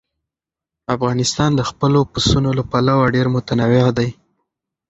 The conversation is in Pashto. افغانستان د خپلو پسونو له پلوه ډېر متنوع دی.